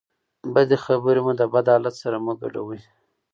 بدې خبرې مو د بد حالت سره مه ګډوئ.